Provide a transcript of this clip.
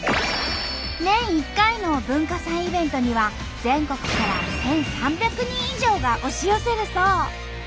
年１回の文化祭イベントには全国から１，３００人以上が押し寄せるそう。